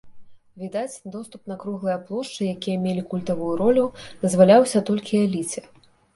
Відаць, доступ на круглыя плошчы, якія мелі культавую ролю, дазваляўся толькі эліце.